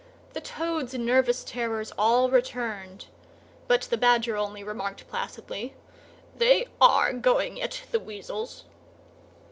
The Toad's nervous terrors all returned, but the Badger only remarked placidly, "They are going it, the Weasels!"